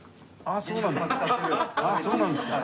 ああそうなんですか。